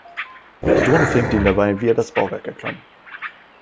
Die Drohne filmte ihn dabei, wie er das Bauwerk erklomm.